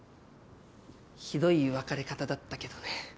酷い別れ方だったけどね。